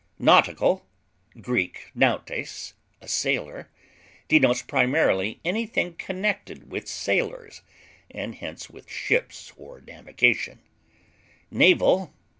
Nautical (Gr. nautes, a sailor) denotes primarily anything connected with sailors, and hence with ships or navigation; naval (L.